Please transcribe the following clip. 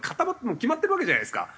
もう決まってるわけじゃないですか。